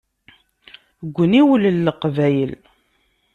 Deg uniwel n leqbayel.